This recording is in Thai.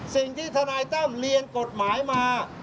สิ่งที่ทนายตั้มเรียนกฎหมายมา